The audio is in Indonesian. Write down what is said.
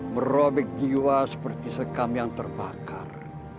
merobek jiwa seperti sekam yang terbakar